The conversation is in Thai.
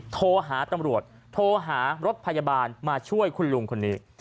โทรหาตำรวจโทรหารถพยาบาลมาช่วยคุณลุงคนนี้